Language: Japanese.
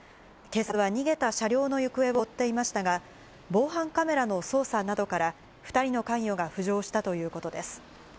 警察は逃げた車両の行方を追っていましたが、防犯カメラの捜査などから、２人の関与が浮上したということです。